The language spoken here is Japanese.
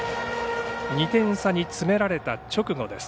２点差に詰められた直後です。